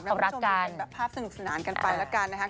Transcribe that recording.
รับรักกันคุณผู้ชมภาพสึกสนานกันไปละกันนะครับ